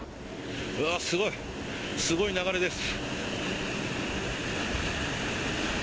すごい、すごい流れです。